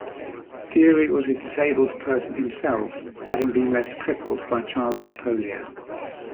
Dury was a disabled person himself, having been left crippled by childhood polio.